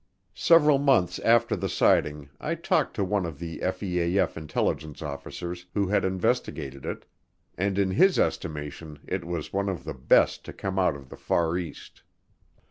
Several months after the sighting I talked to one of the FEAF intelligence officers who had investigated it, and in his estimation it was one of the best to come out of the Far East.